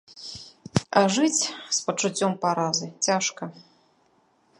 А жыць з пачуццём паразы цяжка.